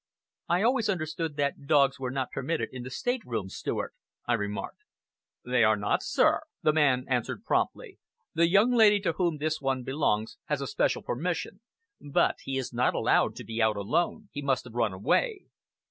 "I always understood that dogs were not permitted in the state rooms, steward," I remarked. "They are not, sir," the man answered promptly. "The young lady to whom this one belongs has a special permission; but he is not allowed to be out alone. He must have run away."